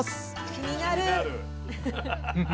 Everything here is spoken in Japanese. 気になるよ。